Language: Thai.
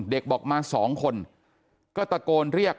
เด็กบอกมา๒คนก็ตะโกนเรียก